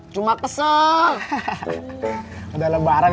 jangan letak didn glass